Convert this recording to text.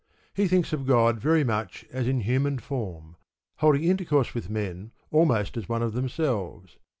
He thinks of God very much as in human form, holding intercourse with men almost as one of themselves.